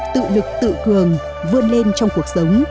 tự lực tự cường vươn lên trong cuộc sống